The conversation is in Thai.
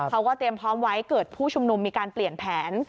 เขาก็เตรียมพร้อมไว้เกิดผู้ชุมนุมมีการเปลี่ยนแผน